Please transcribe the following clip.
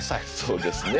そうですね。